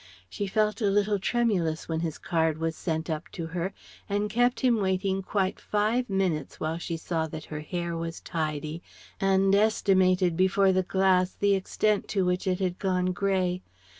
She felt a little tremulous when his card was sent up to her, and kept him waiting quite five minutes while she saw that her hair was tidy and estimated before the glass the extent to which it had gone grey.